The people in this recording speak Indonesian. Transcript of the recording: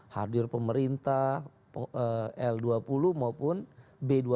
hadir pemerintah l dua puluh maupun b dua puluh